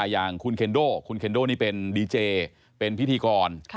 อย่างคุณเคนโดคุณเคนโดนี่เป็นดีเจเป็นพิธีกร